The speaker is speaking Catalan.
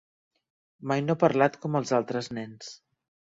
Mai no ha parlat com els altres nens.